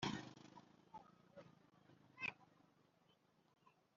Kugira ngo iyi Politiki ishobore gushyirwa mu bikorwa uko yakabaye Guverinoma y u Rwanda irasabwa